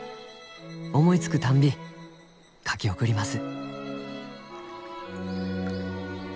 思いつくたんび書き送ります」。